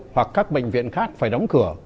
hoặc các bệnh viện khác phải đóng cửa